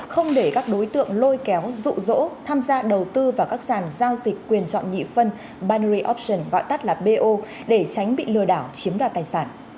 không để các đối tượng lôi kéo dụ dỗ tham gia đầu tư vào các sản giao dịch quyền chọn nhị phân binary option gọi tắt là bo để tránh bị lừa đảo chiếm đoạt tài sản